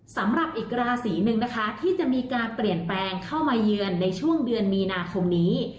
สำหรับอีกราศีหนึ่งนะคะที่จะมีการเปลี่ยนแปลงเข้ามาเยือนในช่วงเดือนมีนาคมนี้